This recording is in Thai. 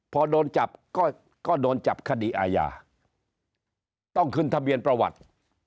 พอโดนจับก็โดนจับคดีอาญาต้องขึ้นทะเบียนประวัติ